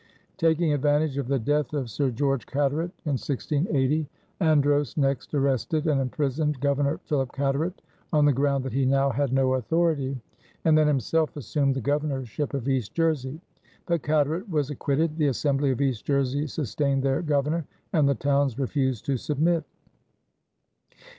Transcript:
Taking advantage of the death of Sir George Carteret in 1680, Andros next arrested and imprisoned Governor Philip Carteret on the ground that he now had no authority, and then himself assumed the governorship of East Jersey. But Carteret was acquitted, the Assembly of East Jersey sustained their Governor, and the towns refused to submit.